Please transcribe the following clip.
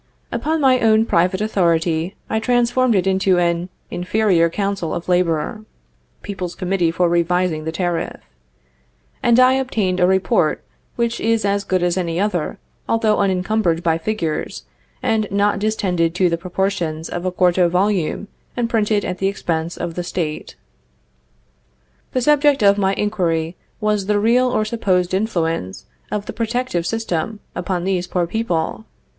Upon my own private authority I transformed it into an Inferior Council of Labor (People's Committee for Revising the Tariff), and I obtained a report which is as good as any other, although unencumbered by figures, and not distended to the proportions of a quarto volume and printed at the expense of the State. The subject of my inquiry was the real or supposed influence of the protective system upon these poor people.